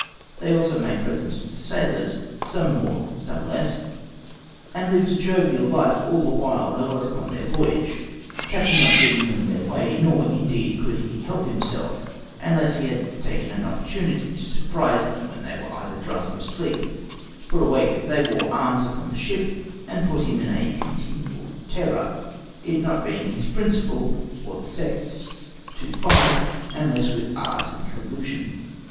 They also made presents to the sailors, some more, some less, and lived a jovial life all the while they were upon their voyage, Captain Knot giving them their way; nor, indeed, could he help himself, unless he had taken an opportunity to surprise them when they were either drunk or asleep, for awake they wore arms aboard the ship and put him in a continual terror, it not being his principle (or the sect's) to fight, unless with art and collusion.